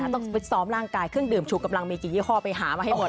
ต้องไปซ้อมร่างกายเครื่องดื่มชูกำลังมีกี่ยี่ห้อไปหามาให้หมด